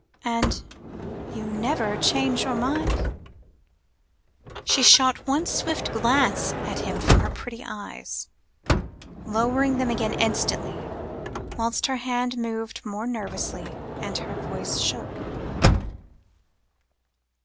"And you never change your mind?" She shot one swift glance at him from her pretty eyes, lowering them again instantly, whilst her hands moved more nervously, and her voice shook.